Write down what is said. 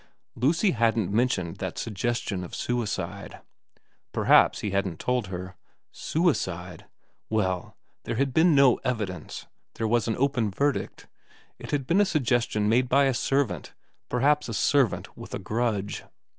Lucy hadn't mentioned that suggestion of suicide. Perhaps he hadn't told her. Suicide. Well, there had been no evidence. There was an open verdict. It had been a suggestion made by a servant, perhaps a servant with a grudge.